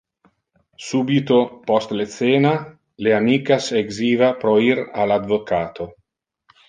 Subito post le cena, le amicas exiva pro ir al advocato.